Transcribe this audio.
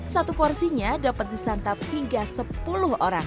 satu porsinya dapat disantap hingga sepuluh orang